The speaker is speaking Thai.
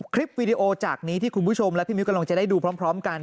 คลิปวีดีโอจากนี้ที่คุณผู้ชมและพี่มิ้วกำลังจะได้ดูพร้อมกัน